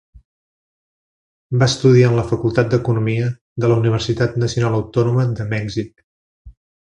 Va estudiar en la Facultat d'Economia de la Universitat Nacional Autònoma de Mèxic.